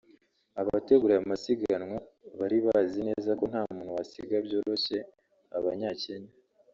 Abategura aya masiganwa bari bazi neza ko nta muntu wasiga byoroshye abanyakenya